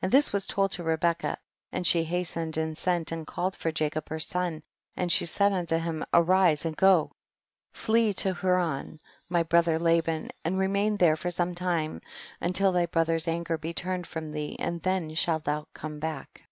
23. And this was told to Rebecca, and she hastened and sent and called for Jacob her son, and she said unto him, arise go and flee to Haran to my brother Laban and remain there for some time, until thy brother's anger be turned from thee and then shall thou come back.